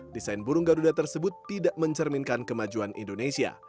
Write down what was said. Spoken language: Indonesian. desain burung garuda tersebut tidak mencerminkan kemajuan indonesia